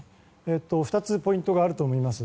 ２つポイントがあると思います。